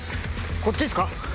こっちっすか？